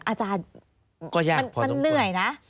อาจารย์มันเหนื่อยนะ